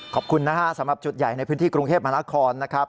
ขอบคุณนะฮะสำหรับจุดใหญ่ในพื้นที่กรุงเทพมหานครนะครับ